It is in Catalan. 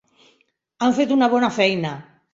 Han fet una bona feina.